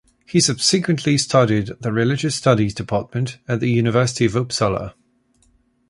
He subsequently studied at the religious studies department at the University of Uppsala.